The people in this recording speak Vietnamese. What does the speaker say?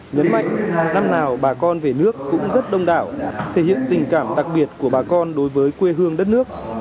nhấn mạnh năm nào bà con về nước cũng rất đông đảo thể hiện tình cảm đặc biệt của bà con đối với quê hương đất nước